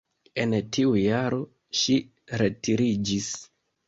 En tiu jaro ŝi retiriĝis.